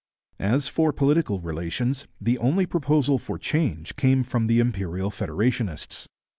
As for political relations, the only proposal for change came from the Imperial Federationists.